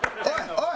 おい！